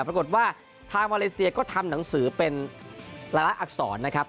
ปรากฏว่าทางมาเลเซียก็ทำหนังสือเป็นหลายละอักษรนะครับ